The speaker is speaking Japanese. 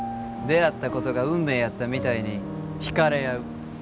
出会ったことが運命やったみたいに引かれ合う。